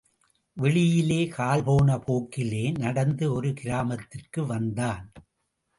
வெளியிலே கால்போன போக்கிலே நடந்து ஒரு கிராமத்திற்கு வந்தான்.